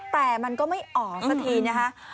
แต่มันก็ไม่ออกสักทีนะคะ